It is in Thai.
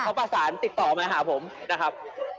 เขาประสานติดต่อมาหาผมนะครับ